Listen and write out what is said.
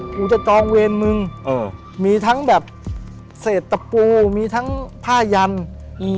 กูจะจองเวรมึงเออมีทั้งแบบเศษตะปูมีทั้งผ้ายันอืม